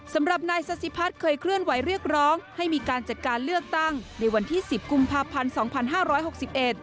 สำหรับนายซาศิพัฒน์เคยเคลื่อนไหวเรียกร้องให้มีการจัดการเลือกตั้งในวันที่๑๐กุมภาพพันธ์๒๕๖๑